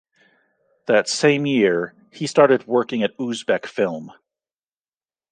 That same year he started working at Uzbekfilm.